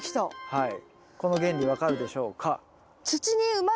はい。